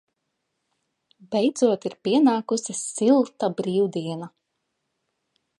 Beidzot ir pienākusi silta brīvdiena.